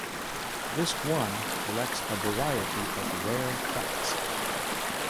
Disc one collects a variety of rare tracks.